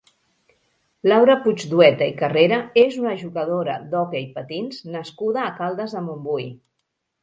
Laura Puigdueta i Carrera és una jugadora d'hoquei patins nascuda a Caldes de Montbui.